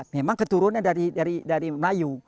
memang keturunan dari melayu